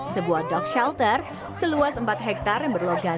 sebuah dog shelter seluas empat hektare yang berlokasi